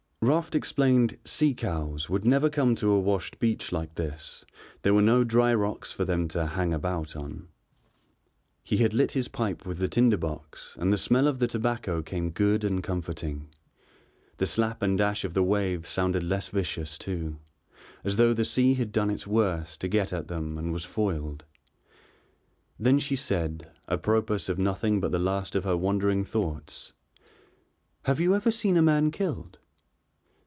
Raft explained "sea cows" would never come to a washed beach like this, there were no dry rocks for them to "hang about" on. He had lit his pipe with the tinder box and the smell of the tobacco came good and comforting, the slap and dash of the waves sounded less vicious, too, as though the sea had done its worst to get at them and was foiled. Then she said, apropos of nothing but the last of her wandering thoughts: "Have you ever seen a man killed?"